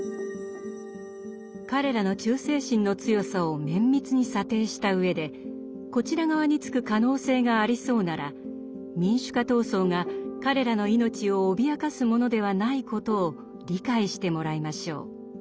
彼らの忠誠心の強さを綿密に査定したうえでこちら側につく可能性がありそうなら民主化闘争が彼らの命を脅かすものではないことを理解してもらいましょう。